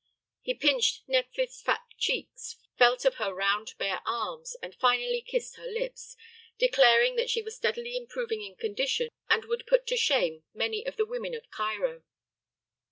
He pinched Nephthys' fat cheeks, felt of her round bare arms, and finally kissed her lips, declaring that she was steadily improving in condition and would put to shame many of the women of Cairo.